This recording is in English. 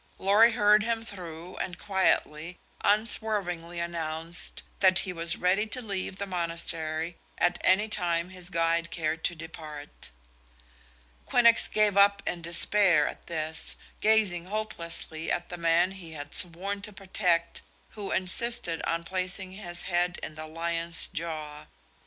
Lorry heard him through and quietly, unswervingly announced that he was ready to leave the monastery at any time his guide cared to depart. Quinnox gave up in despair at this, gazing hopelessly at the man he had sworn to protect, who insisted on placing his head in the lion's jaw.